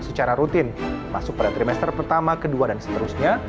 secara rutin masuk pada trimester pertama kedua dan seterusnya